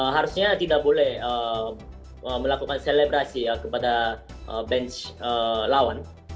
harusnya tidak boleh melakukan selebasi kepada benc lawan